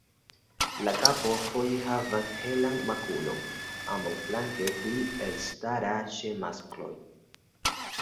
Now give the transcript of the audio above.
La kapo foje havas helan makulon ambaŭflanke, pli elstara ĉe maskloj.